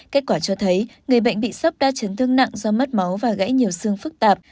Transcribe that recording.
kết quả cho thấy người bệnh bị sốc đa chấn thương nặng do mất máu và gãy nhiều xương phức tạp